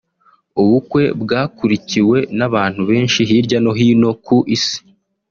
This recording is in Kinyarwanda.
ubukwe bwakurikiwe n’abantu benshi hirya no hino ku isi